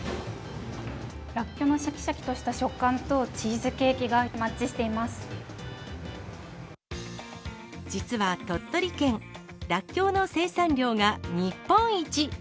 らっきょうのしゃきしゃきとした食感と、実は鳥取県、らっきょうの生産量が日本一。